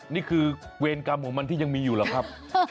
นี่คือเวรกรรมของมันที่ยังมีอยู่หรอครับ